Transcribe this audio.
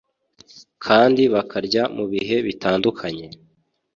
kandi bakarya mu bihe bitandukanye